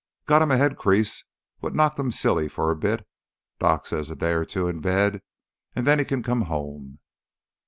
Got him a head crease wot knocked him silly for a bit. Doc says a day o' two in bed and then he kin come home."